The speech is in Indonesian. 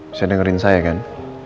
bisa dengerin saya kan